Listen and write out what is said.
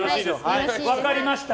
分かりました。